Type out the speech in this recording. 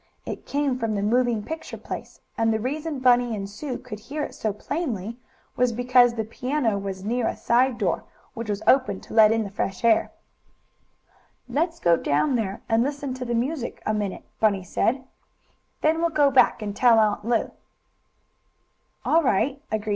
It came from the moving picture place, and the reason Bunny and Sue could hear it so plainly was because the piano was near a side door, which was open to let in the fresh air. "Let's go down there and listen to the music a minute," Bunny said. "Then we'll go back and tell Aunt Lu."